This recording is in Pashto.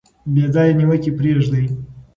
بې ځایه نیوکې پریږدئ.